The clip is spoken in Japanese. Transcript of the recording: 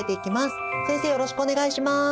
よろしくお願いします。